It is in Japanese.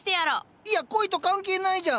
いや恋と関係ないじゃん。